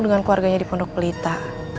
dengan keluarganya di pondok pelita